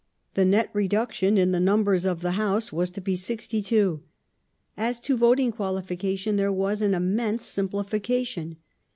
The nett reduction in the numbers of the House was to be 62. As to voting cjualification there was an immense simplification.